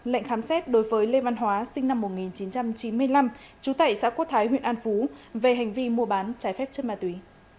lệnh khám xét đối với lê văn hóa sinh năm một nghìn chín trăm chín mươi năm trú tại xã quốc thái huyện an phú về hành vi mua bán trái phép chất ma túy